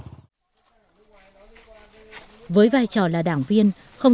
với vai trò là đảng viên không chỉ là một người đảng viên nhưng cũng là một người đảng viên